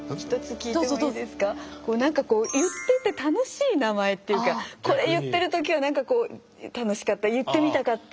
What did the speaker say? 何かこう言ってて楽しい名前っていうかこれ言っている時は何かこう楽しかった言ってみたかった。